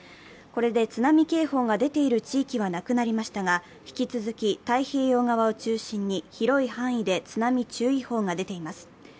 これで津波警報が出ている地域はなくなりましたが、引き続き太平洋側を中心に広い範囲で津波注意報が出ています。